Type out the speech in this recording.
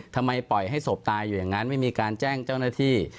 ทำไมปล่อยให้ศพตายอยู่อย่างนั้นไม่มีการแจ้งเจ้าหน้าที่